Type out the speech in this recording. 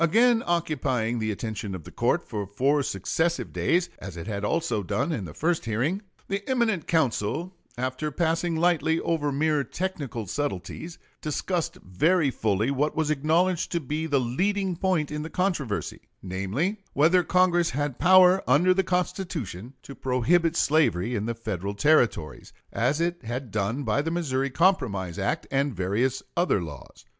Again occupying the attention of the court for four successive days, as it had also done in the first hearing, the eminent counsel, after passing lightly over mere technical subtleties, discussed very fully what was acknowledged to be the leading point in the controversy; namely, whether Congress had power under the Constitution to prohibit slavery in the Federal Territories, as it had done by the Missouri Compromise act and various other laws.